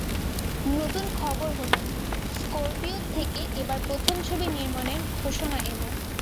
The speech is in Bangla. নতুন খবর হলো, স্করপিয়ন থেকে এবার প্রথম ছবি নির্মাণের ঘোষণা এল।